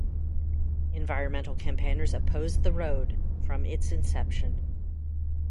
Environmental campaigners opposed the road, from its inception.